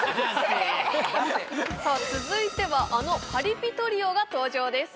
続いてはあのパリピトリオが登場です